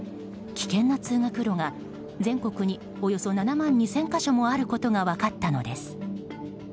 危険な通学路が全国におよそ７万２０００か所もあることが分かったのです。